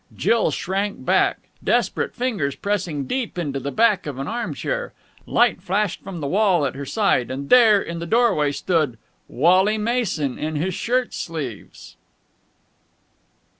Jill shrank back, desperate fingers pressing deep into the back of an arm chair. Light flashed from the wall at her side. And there, in the doorway, stood Wally Mason in his shirt sleeves.